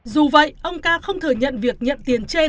dù vậy ông ca không thừa nhận việc nhận tiền trên